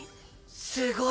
すごい！